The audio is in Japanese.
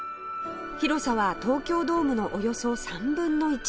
広さは東京ドームのおよそ３分の１